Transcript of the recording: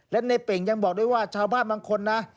และในเป่งยังบอกด้วยว่าชาวบ้านบางคนนะ